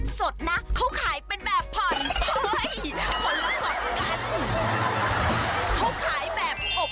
มาทำเป็นปำหมี่ผัก